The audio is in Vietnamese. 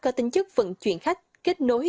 có tinh chất vận chuyển khách kết nối